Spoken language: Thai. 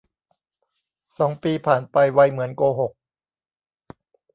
สองปีผ่านไป ไวเหมือนโกหก